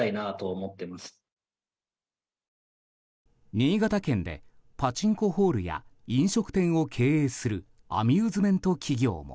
新潟県で、パチンコホールや飲食店を経営するアミューズメント企業も。